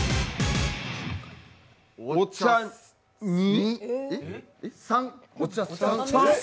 お茶、２。